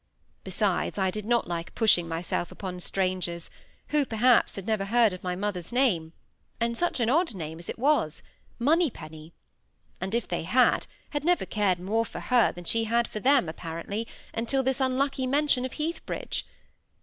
Besides, I did not like pushing myself upon strangers, who perhaps had never heard of my mother's name, and such an odd name as it was—Moneypenny; and if they had, had never cared more for her than she had for them, apparently, until this unlucky mention of Heathbridge.